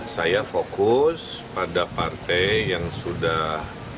saya fokus pada partai yang sudah